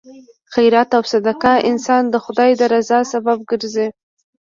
خیرات او صدقه انسان د خدای د رضا سبب ګرځي.